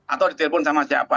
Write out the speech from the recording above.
atau ditelepon sama siapa